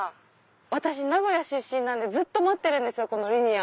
私名古屋出身なんでずっと待ってるんですよリニア。